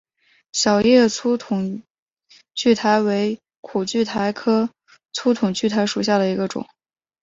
小叶粗筒苣苔为苦苣苔科粗筒苣苔属下的一个种。